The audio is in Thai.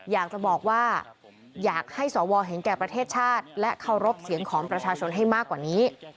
อยากจะบอกว่าอยากให้สวเห็นแก่ประเทศชาติและเคารพเสียงของประชาชนให้มากกว่านี้